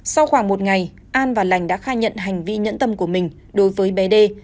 sau khoảng một ngày an và lành đã khai nhận hành vi nhẫn tâm của mình đối với bé đê